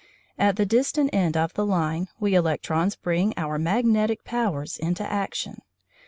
At the distant end of the line we electrons bring our magnetic powers into action.